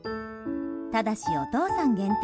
ただし、お父さん限定。